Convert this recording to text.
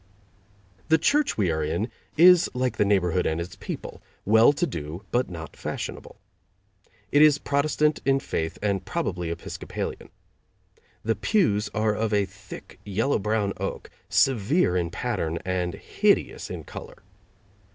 The church we are in is like the neighborhood and its people: well to do but not fashionable. It is Protestant in faith and probably Episcopalian. The pews are of thick, yellow brown oak, severe in pattern and hideous in color.